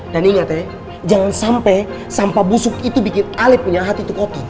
dan ingat ya jangan sampe sampah busuk itu bikin alip punya hati tuh kopi